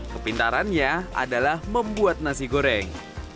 kepintarannya adalah membuat nasi goreng